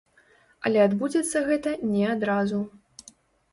Але адбудзецца гэта не адразу.